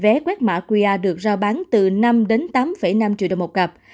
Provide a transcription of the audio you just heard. vé quét mã qa được rao bán từ năm tám năm triệu đồng một cặp